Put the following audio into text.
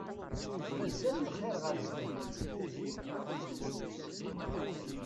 Mazal lxir ɣer sdat.